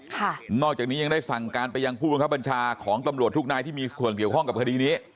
นอกจากนี้ยังได้สั่งการไปยังผู้บังคับบัญชาของตำรวจทุกนายที่มีส่วนเกี่ยวข้องกับคดีนี้